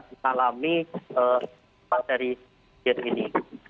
yang mengalami masalah dari banji rop ini